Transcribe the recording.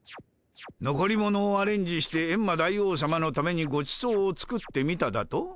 残り物をアレンジしてエンマ大王さまのためにごちそうを作ってみただと？